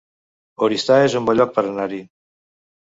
Oristà es un bon lloc per anar-hi